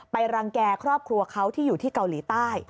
รังแก่ครอบครัวเขาที่อยู่ที่เกาหลีใต้